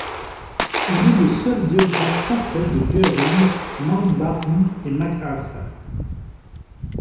Il est le seul biographe français de Goering, Mountbatten et MacArthur.